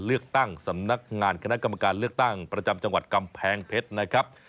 เลือกตั้งสำนักงานคณะกรรมการเลือกตั้งประจำจังหวัดกำแพงเพชรนะครับ